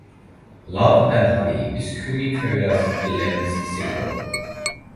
"Love and Honey" is Kumi Koda's eleventh single.